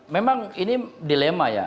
memang ini dilema ya